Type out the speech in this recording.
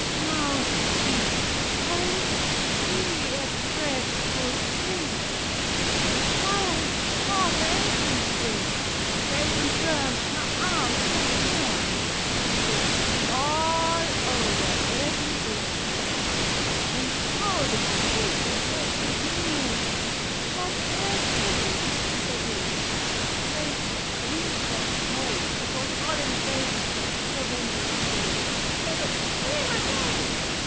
Now see! oh, see! a dreadful thing! The fire has caught her apron string: Her apron burns, her arms, her hair; She burns all over, everywhere. Then how the pussy cats did mew, What else, poor pussies, could they do? They screamed for help, 'twas all in vain, So then they said, "We'll scream again.